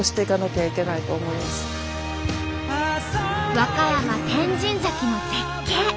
和歌山天神崎の絶景。